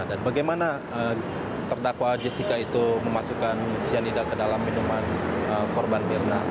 dan bagaimana terdakwa jessica itu memasukkan sianida ke dalam minuman korban mirna